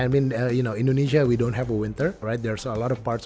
tidak apa apa di indonesia kita tidak memiliki musim panas